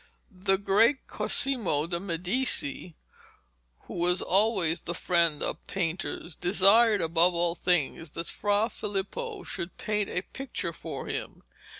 The great Cosimo de Medici, who was always the friend of painters, desired above all things that Fra Filippo should paint a picture for him.